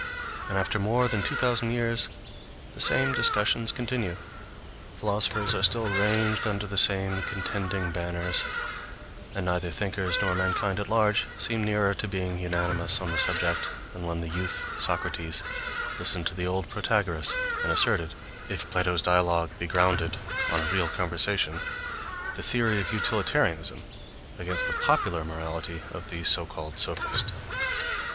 And after more than two thousand years the same discussions continue, philosophers are still ranged under the same contending banners, and neither thinkers nor mankind at large seem nearer to being unanimous on the subject, than when the youth Socrates listened to the old Protagoras, and asserted (if Plato's dialogue be grounded on a real conversation) the theory of utilitarianism against the popular morality of the so called sophist.